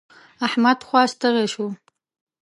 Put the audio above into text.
احمد خوا ستغی شو.